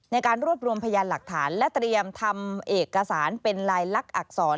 ในการรวบรวมพยานหลักฐานและเตรียมทำเอกสารเป็นลายลักษณอักษร